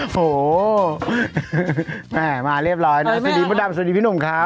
โหแม่มาเรียบร้อยนะสวัสดีมดดำสวัสดีพี่หนุ่มครับ